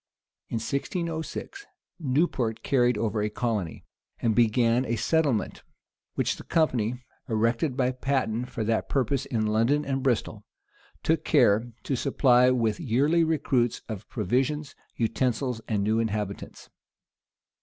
In 1606, Newport carried over a colony, and began a settlement; which the company, erected by patent for that purpose in London and Bristol, took care to supply with yearly recruits of provisions, utensils, and new inhabitants.